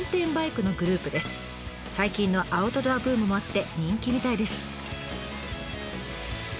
最近のアウトドアブームもあって人気みたいです。